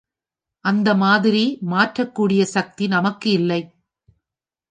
அந்த மாதிரி மாற்றக் கூடிய சக்தி நமக்கு இல்லை.